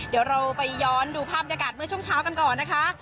เดี๋ยวเราไปย้อนดูภาพบรรยากาศเมื่อช่วงเช้ากันก่อนนะคะ